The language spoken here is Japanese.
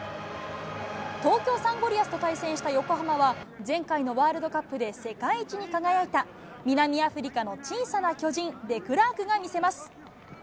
東京サンゴリアスと対戦した横浜は、前回のワールドカップで世界一に輝いた、南アフリカの小さな巨人、デクラークが見せます。